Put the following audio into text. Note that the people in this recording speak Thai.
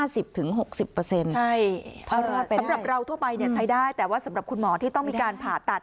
สำหรับเราทั่วไปใช้ได้แต่ว่าสำหรับคุณหมอที่ต้องมีการผ่าตัด